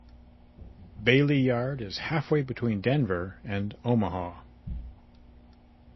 Bailey Yard is halfway between Denver and Omaha.